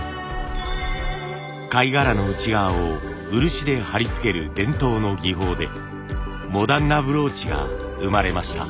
貝殻の内側を漆で貼り付ける伝統の技法でモダンなブローチが生まれました。